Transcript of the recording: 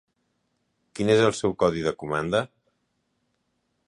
Quin és el seu codi de comanda?